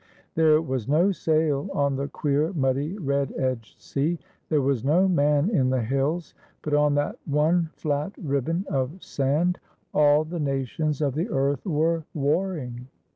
There was no sail on the queer, muddy, red edged sea; there was no man in the hills; but on that one flat ribbon of sand all the nations of the earth were warring.